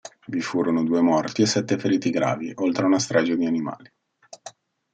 Vi furono due morti e sette feriti gravi oltre a una strage di animali.